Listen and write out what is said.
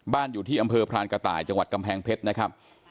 อยู่ที่อำเภอพรานกระต่ายจังหวัดกำแพงเพชรนะครับ